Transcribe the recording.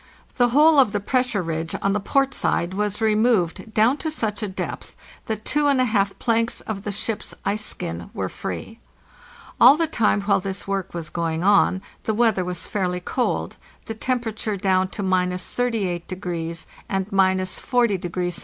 The whole of the pressure ridge on the port side was removed down to such a depth that two and a half planks of the ship's ice skin were free. All the time while this work was going on the weather was fairly cold, the temper ature down to —38° and — 40° C.